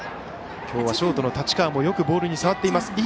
今日はショートの立川もよくボールに触っています。